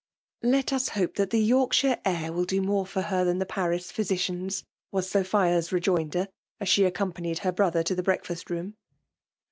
*' "Let ulr hope that the Yorkshire air mil do more for her than the Paris physicians/' was SophiaV vejoioder, as she accompanied her brother to the bteakfast room.